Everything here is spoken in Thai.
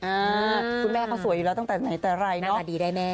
อ่าคือแม่เขาสวยอยู่แล้วตั้งแต่ไหนตั้งแต่ไรเนอะอ่าดีได้แม่